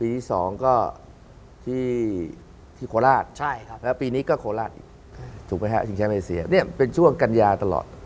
ที่สองก็ที่โคราชแล้วปีนี้ก็โคราชอีกถูกไหมฮะชิงแชมป์เอเซียเนี่ยเป็นช่วงกัญญาตลอด